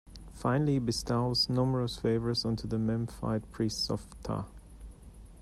Finally, he bestowed numerous favours onto the Memphite Priests of Ptah.